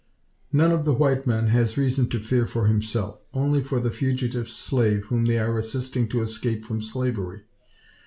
None of the white men has reason to fear for himself only for the fugitive slave whom they are assisting to escape from slavery.